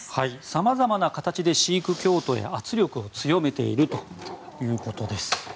さまざまな形でシーク教徒へ圧力を強めているということです。